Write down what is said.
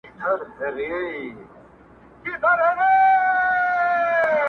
• هره ورځ لکه پسونه کبابیږو لاندي باندي -